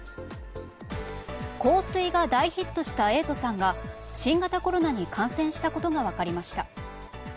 「香水」が大ヒットした瑛人さんが新型コロナに感染したことが分かりました。